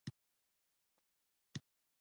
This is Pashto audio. لوبیا سور او سپین رنګ لري.